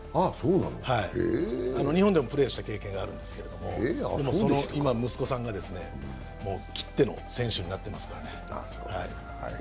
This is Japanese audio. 日本でもプレーした経験があるんですけど、息子さんがきっての選手になってますけどね。